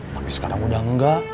tapi sekarang udah enggak